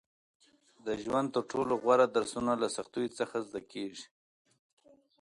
• د ژوند تر ټولو غوره درسونه له سختیو څخه زده کېږي.